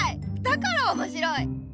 だからおもしろい。